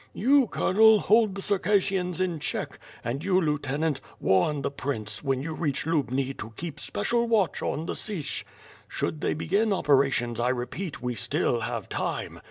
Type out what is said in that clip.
You, Colonel, hold the Circassians in check; and you, lieutenant, warn the Prince, when you reach Lubni to keep special watch on Sich. Should they begin operations I repeat we still have time.